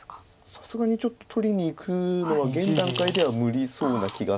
さすがにちょっと取りにいくのは現段階では無理そうな気がするので。